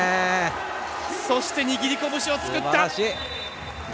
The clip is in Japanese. そして、握り拳を作った！